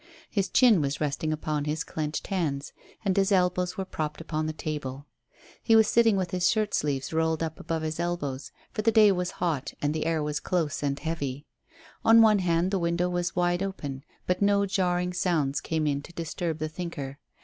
His chin was resting upon his clenched hands, and his elbows were propped upon the table. He was sitting with his shirt sleeves rolled up above his elbows, for the day was hot and the air was close and heavy. On one hand the window was wide open, but no jarring sounds came in to disturb the thinker.